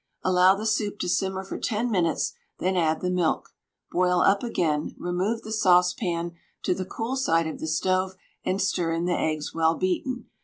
Allow the soup to simmer for 10 minutes, then add the milk; boil up again, remove the saucepan to the cool side of the stove and stir in the eggs well beaten.